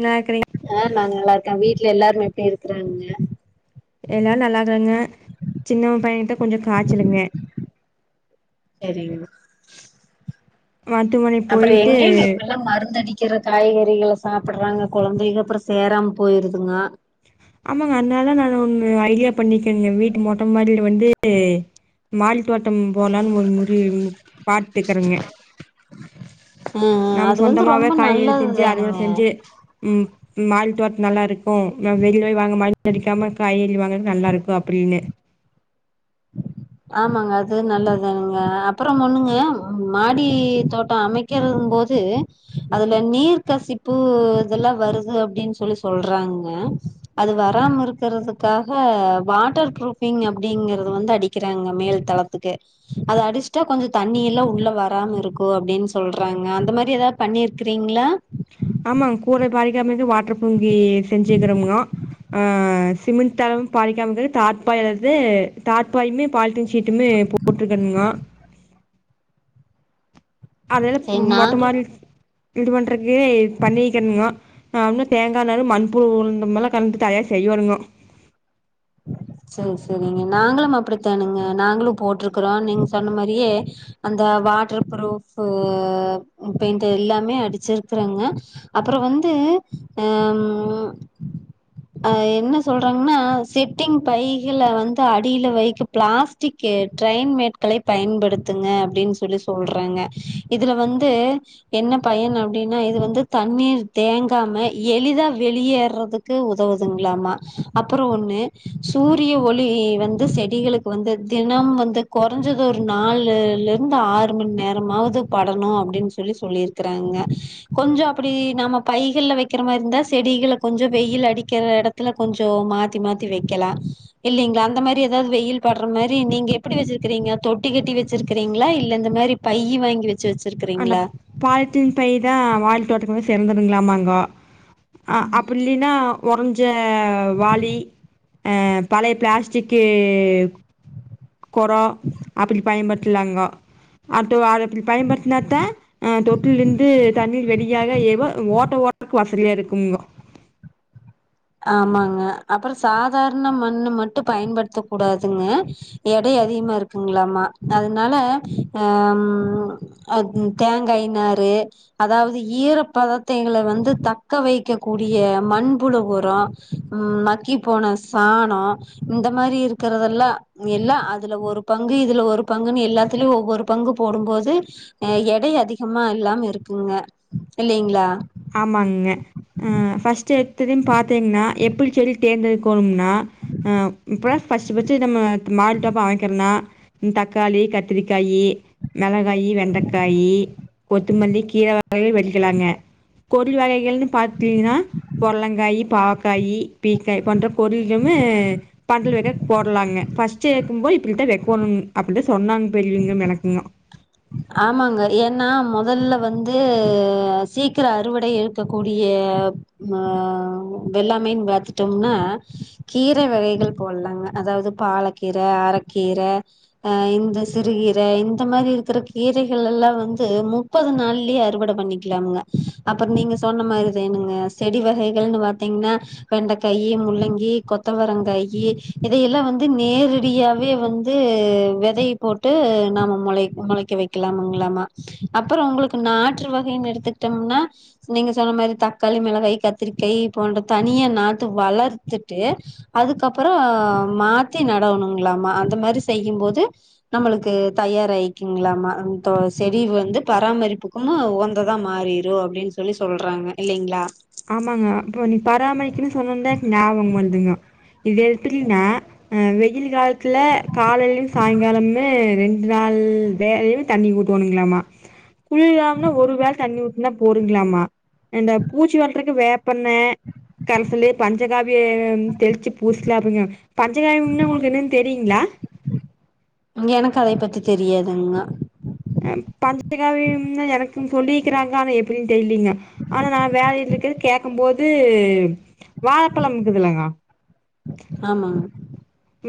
இனாகிரே ஆ நா நல்லா இருக் வீட்ல எல்லாருமே எப்டி இருக்கறாங்கங்க எல்லா நல்லாக்கறாங்க சின்னவன் பையன்ட்ட கொஞ்சோ காய்ச்சலுங்க செரிங் மாத்துமொனி அப்றோ எங்கீங் இப்பெல்லா மருந்தடி க்கிற காய்கறிகள சாப்டறாங்க கொழந்தைகங்க அப்றோ சேராம போயிருதுங்கோ ஆமாங்க அதனால நானு ஒண்ணு ஐடியா பண்ணிக்கேங்க வீட்டு மொட்ட மாடில வந்து மாடி தோட்டம் போலான்னு மு முடி பாட்டுக்கிறங்க ம் ம் நம்ம அது வந்து சொந்தமாவே ரொம்ப காய்கறி நல்லது செஞ்சு தானுங்க அறுவட செஞ்சு ம் மால் தோட்டோ நல்லா இருக்கு நாம் வெளில போய் வாங்காம மருந்தடிக்காம காய்கறி வாங்கறது நல்லாருக்கு அப்டின்னு ஆமாங்க அது நல்லது தானுங்க அப்றோமொண்ணுங்க மாடி தோட்டோ அமை க்கிறதுங்கும்போது அதுல நீர் கசிப்பு இதெல்லா வருது அப்டின்னு சொல்லி சொல்றாங்க அது வராம இருக்கறதுக்காக வாட்டர் ப்ரூபிங் அப்டிங்கற து வந்து அடிக்கறாங்க மேல் தளத்துக்கு அது அடிச்சிட்டா கொஞ்சோ தண்ணி எல்லா உள்ள வராம இருக்கு அப்டின்னு சொல்றாங்க அந்த மாரி எதா பண்ணிருக்கிறீங்ளா? ஆமாங்க கூர பாதிக்காம இருக்க வாட்டர் பூரூஙி செஞ்சுக்கிறோம்ங்கோ ஆ சிமெண்ட் தளமும் பாதிக்காம இருக்க தார்பாய் அல்லது தார்பாயுமே பாலிட்டீன் ஷீட்டுமே போ போட்டிருக்கணுங்கோ அத சரி மொட்ட நாங்களு மாடி இது பண்றக்கு பண்ணிருக்கணுங்கோ ஆ உன்னு தேங்கா நாரு மண்புழு உரமு கலந்து தயார் செய்யோனுங்கோ செரி செரிங்க நாங்களு அப்படித் தாணுங்க நாங்களு போட்ருக்றோ நீங்க சொன்ன மாரியே அந்த வாட்டர் ஃப்ரூஃபு பெயிண்ட் எல்லாமே அடிச்சிருக்குறங்க அப்பற வந்து அ ம் அ என்ன சொல்றாங்கன்னா சிட் ட்டிங் பைகள வந்து அடியில வைக்கு பிளாஸ்டிக் ட்ரென்மேட்களை பயன்படுத்துங்க அப்டின் சொல்லி சொல்றாங்க இதுல வந்து என்ன பயன் அப்டின்னா இது வந்து தண்ணீர் தேங்காம எளிதா வெளியேறதுக் உதவுதுங்ளாமா அப்பறோ ஒன்னு சூரிய ஒளி வந்து செடிகளுக்கு வந்து தினம் வந்து கொறஞ்சு ஒரு நாலுல இருந்து ஆறு மணி நேரமாவது படனு அப்டின் சொல்லி சொல்லிருக்கறாங்க கொஞ்சோ அப்டி நாம பைகள்ல வக்கிற மாரி இருந்தா செடிகள கொஞ்சோ வெயில் அடிக்கிற எடத் த்துல கொஞ்சோ மாத்தி மாத்தி வக்கலா இல்லிங்ளா அந்த மாரி எதாவது வெயில் படுற மாரி நீங்க எப்டி வச்சிருக்றீங்க தொட்டி கட்டி வச்சிருக்றீங்ளா இல்ல இந்த மாரி பையி வாங்கி வச்சு அந்த வச்சிருக்றீங்ளா பாலித்தீன் பை தா மாடி தோட்டத்துக்கு சிறந்ததுங்களாமாங்கோ ஆ அப்ப லிவ் நா ஒரஞ்ச வாளி அ பழைய பிளாஸ்டிக்கு கொடோ அப்டி பயன்படுத்தலாம்ங்கோ அப் டு வாலட் இப்டி பயன்படுத்தினாதா தொட்டிலருந்து தண்ணீர் வெளிய ஏதா எவோ ஓட்ட ஓட்டக்கு வசதியா இருக்கும்ங்க ஆமாங்க அப்பற சாதாரண மண்ணு மட்டு பயன்படுத்த கூடாதுங்க எடை அதிகமா இருக்குங்களாமா அதனால ஹ ம் அத் தேங்காய் நாறு அதாவது ஈரப்பதத்தைங்கள வந்து தக்க வைக்க கூடிய மண்புழு உ உரோ மக்கி போன சாணோ இந்த மாரி இருக்கிறதெல்லா எல்லா அதுல ஒரு பங்கு இதுல ஒரு பங்குன் எல்லாத்துலயு ஒவ்வொரு பங்கு போடு போது அ எடை அதிகமா இல்லாம இருக்குங்க இல்லைங்ளா ஆமாங்ங்க அ ஃபர்ஸ்ட்டு எடுத்திரிம் பாத்தீங்னா எப்டி சொல்லி தேர்ந்த கோணுனா அ இப்ப ஃபர்ஸ்ட்டு ஃபர்ஸ்ட்டு நம்ம மாருடப்பா அமைக்கணுனா தக்காளி கத்திரிக்காயி மெளகாயி வெண்டக்காயி கொத்துமல்லி கீர வகைகள் வெளிக்கலாங்க பொரி வகைகள்ன் பாத்திங்னா பொட்லங்காயி பாவக்காயி பீக்காய் போன்ற பொறிகுமே தண்டுலுட போட்லாங்க ஃபர்ஸ்ட் எக்கு போது இப்டிதா வக்கோணு அப்டி தா சொன்னாங்க பெரியவங்க எனக்கு முன்ன ஆமாங்க ஏன்னா மொதல்ல வந்து சீக்கிர அறுவடை இருக்க கூடிய ஆ வெள்ளாமைன் பாத்துட்டோம்னா கீர வகைகள் போட்லாங்க அதாது பாலக்கீர அரக்கீர அ இந்த சிறுகீர இந்த மாரி இருக்கறக் கீரைகள்லெலா வந்து முப்பது நாள்ள அறுவடை பண்ணிக்கலாம்ங்க அப்பற நீங்க சொன்ன மாரி தாணுங்க செடி வகைகள்ன் பாத்திங்னா வெண்டைக்காயி முள்ளங்கி கொத்தவரங்காயி இதையெல்லாம் வந்து நேரடியாவே வந் து வெதை போட்டு நாம மொளை மொளைக்க வைக் கலாங்ளாமா அப்பற உங்களுக்கு நாற்று வகைன்னு எடுத்துட்டம்னா நீங்க சொன்ன மாரி தக்காளி மெளகாயி கத்திரிக்காயி போன்ற தனியா நாத்து வளர்த்துட்டு அதுக்கப்பற மாத்தி நடவு ணுங்களாமா அந்த மாரி செய்யும்போது நம்மளுக்கு தயாராய் க்குங்ளாமா நம் தோ செடி வந்து பராமரிப்புக்குமோ உவந்ததா மாறிரு அப்டின் சொல்லி சொல்றாங்க இல்லைங்ளா ஆமாங்க இப்ப நீ பராமரிக்கணு சொன்னோன்தா எனக் நாபகம் வருதுங்கோ இது எப்பிடின்னா அ வெயில் காலத்துல காலேலயு சாங்காலமுமே ரெண்டு நாள் வேலை தண்ணி ஊத்தனோங்களாமா குள்யாம்னா ஒரு வேல தண்ணி ஊத்துனா போருங்களாமா இந்த பூச்சி வெரட்ரக்கு வேப்பெண்ண கன்சலு பஞ்சகாபிய தெளிச்சு பூசலாபிங்க பஞ்சகாயம்னா ஒங்களுக்கு என்னன் தெரியுங்ளா எனக்கு அத பத்தி தெரியாதுங்க பஞ்சகாவியம்ன்னா எனக்கு சொல்லிருக்குறாங்க ஆனா எப்டின் தெர்லீங்க ஆனா நா வேலேல இருக்கறே கேக்கம் போது வாழப்பழம் இருக்குதுலங்க ஆமாங்க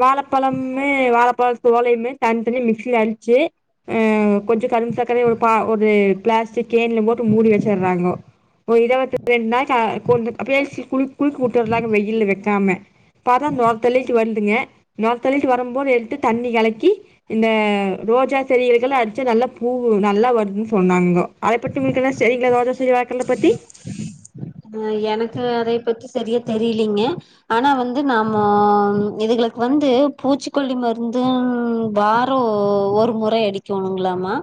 வாழப்பழம்மே வாழப்பழ தோளையுமே தனி தனியா மிக்சில அடுச்சு அ கொஞ்சொ கரும்புசக்கரயு ஒரு பா ஒரு பிளாஸ்டிக் கேன்ல போட்டு மூடி வச்சற்றாங்கோ ஒரு இரவத் ரெண் நாளைக்கு அ கொண்டு பேசி குள் குளிக்கி வுட்டமாரி வெயில்ல வக்காம பாத்தா நோர தள்ளிட்டு வருதுங்க நோர தள்ளிட்டு வரம்போது எடுத்து தண்ணி கலக்கி இந்த ரோஜா செடிகளுக்கல்லா அடுச்சு நல்லா பூ நல்லா வருதுன் சொன்னாங்கோ அதபத்தி இருக்கேல சைட்ல ஒரு சில ஆ எனக்கு அதை பத்தி சரியா தெரிலைங்க ஆனா வந்து நாம இதுகளுக்கு வந்து பூச்சிக்கொல்லி மருந்து வா ட்ரு ஒரு முறை அடிக்கோணுங்களாமா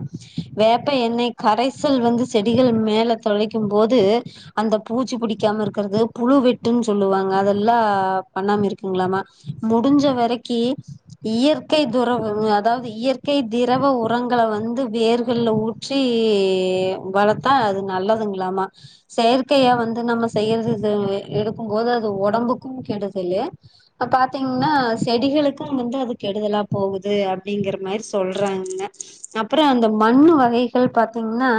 வேப்ப எண்ணெய் கரைசல் வந்து செடிகள் மேல தொளிக்கும் போது அந்த பூச்சி புடிக்காம இருக்குறது புழு வெட்டுன் சொல்லுவாங்க அதெல்லா பண்ணாம இருக்குங்ளாமா முடுஞ்ச வரக்கி இயற்கை துரவ அதாவது இயற்கை திரவ உரங்கள வந்து வேர்கள்ல ஊத் த்தி வளத்தா அது நல்லதுங்ளாமா செயற்கையா வந்து நம்ம செய்யற இது இது எடுக்கும் போது அது ஒடம்புக்கும் கெடுதலு இப்ப பாத்தீங்ன்னா செடிகளுக்கும் வந்து அது கெடுதலா போவுது அப்டிங்கற மாரி சொல்றாங்கங்க அப்பறோ அந்த மண்ணு வகைகள் பாத்தீங்ன்னா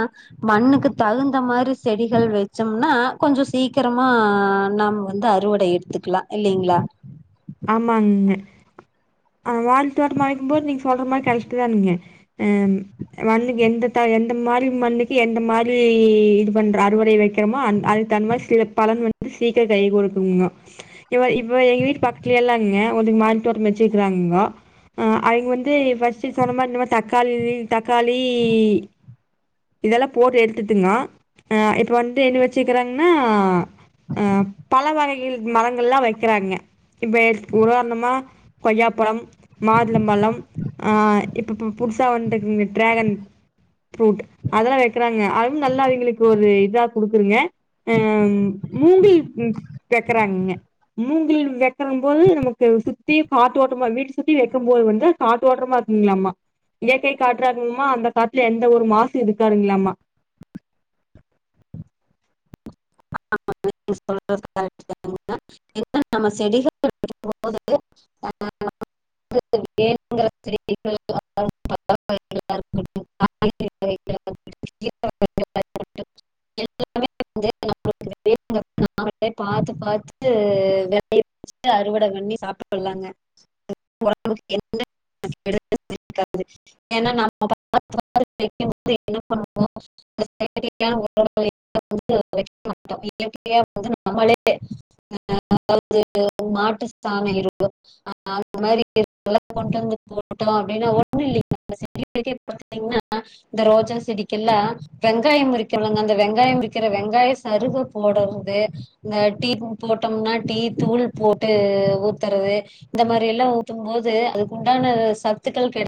மண்ணுக்கு தகுந்த மாரி செடிகள் வச்சோம்னா கொஞ்சோ சீக்கரமா நாம் வந்து அறுவடை எடுத்துக்கலா இல்லைங்ளா ஆமாங்கங்க ஆ வாழ தோட்டமா அமைக்கும் போது நீங்க சொல்ற மாரி கரெக்ட்தானுங்க அ ரெண்டு வெந்துட்டா எந்த மாரி மண்ணுக்கு எந்த மாரி இது பண்ற அறுவடை வைக்கிறோமோ அந் அதுக்கு தகுந்த மாரி கு பலன் வந்து சீக்கிரம் கை குடுக்குங்க இப்ப இப்ப எங்க வீட்டு பக் கத்லேலாங்க ஒரு மாடி தோட்டோ வச்சுருக்காங்கங்கோ அ அவய்ங்க வந்து ஃபர்ஸ்ட் சொன்ன மாரி இந்த மாரி தக்காளி தக்காளி இதல்லா போட்டு எடுத்துட்டுங்க இப்போ வந்து என்ன வச்சுக்கிறாங்கன்னா அ பழ வகைகள் மரங்கள் எல்லா வைக்கிறாங்க இப்ப உதாரணமா கொய்யாபழம் மாதுளம்பழம் ஆ இப்ப இப்ப இப்ப புதுசா வந்துருக்குங்க டிராகன் ஃப்ரூட் அதல்லா வைக்குறாங்க அது நல்லா அவய்களுக்கு ஒரு இதா குடுக்குருங்க அ மூங்கில் தக்கறாங்கங்க மூங்கில் வைக்கற போது நமக்கு சுத்தி காத்து ஓட்டமா வீட்ட சுத்தி வைக்கும் போது வந்து காட்டு ஓட்றமா இருக்குங்களாமா இயற்கை காற்று இருக்கும்மா அந்த காட்லே எந்த ஒரு மாசு இருக்காதுங்களாமா [unintelligible] இ நம்ம செடிகள் [unintelligible] [unintelligible] [unintelligible] எல்லாமே [unintelligible] பாத்து பாத்து [unintelligible] அறுவட பண்ணி சாப்பட்டுறாங்க உம்புக்கு என்ன [unintelligible] [unintelligible] ஏன்னா நம்மக்கும் [unintelligible] என்ன பண்ணுவோம் [unintelligible] [unintelligible] நமளே [unintelligible] [unintelligible] அ அது மாட்டுஸ்தானம் இருக்கு அ அந்த மாரில்லா கொண்டு வந்து போட்டோம் அப்டின்னு ஒண்ணு இல்லைங்க செ [unintelligible] பாத்தீங்கன்னா இந்த ரோஜா செடிக்கெல்லா வெங்காயம் இருக்குல்லங்க அந்த வெங்காயம் இருக்கிற வெங்காய சருக போடுறது இந்த டீ போட்டோம்னா டீ தூள் போட்டு ஊத்துறது இந்த மாரி எல்லா‌ஊத்தும் போது அதுக்கு உண்டான சத்துக்கள் க